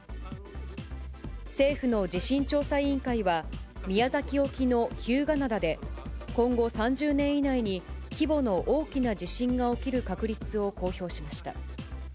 政府の地震調査委員会は、宮崎沖の日向灘で、今後３０年以内に規模の大きな地震が起きる確率を公表しました。